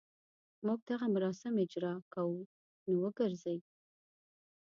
موږ دغه مراسم اجراء کوو نو وګرځي.